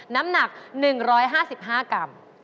น้ำหนัก๑๕๕กรัม